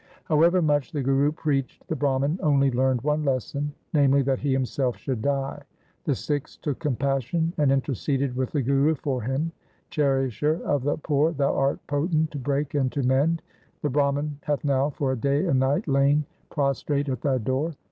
However much the Guru preached, the Brahman only learned one lesson, namely, lhat he himself should die. The Sikhs took compassion, and inter ceded with the Guru for him —' Cherisher of the poor, thou art potent to break and to mend. The Brahman hath now for a day and night lain pros trate at thy door.